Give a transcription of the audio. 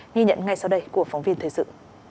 nhi nhận ngay sau đây của phóng viên thế dự